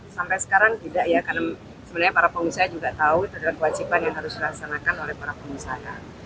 sampai sekarang tidak ya karena sebenarnya para pengusaha juga tahu itu adalah kewajiban yang harus dilaksanakan oleh para pengusaha